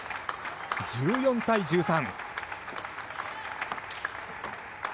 １４対１３。